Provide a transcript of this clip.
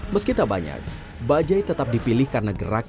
menambahi kualitas petunjuk